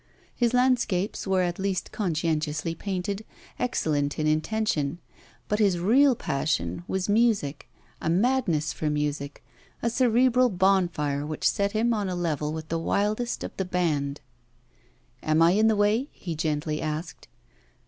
His landscapes were at least conscientiously painted, excellent in intention; but his real passion was music, a madness for music, a cerebral bonfire which set him on a level with the wildest of the band. 'Am I in the way?' he gently asked.